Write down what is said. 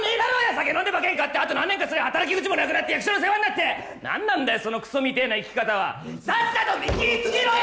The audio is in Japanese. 酒飲んで馬券買ってあと何年かすりゃ働き口もなくなって役所の世話になって何なんだよそのクソみてえな生き方はさっさと見切りつけろよ！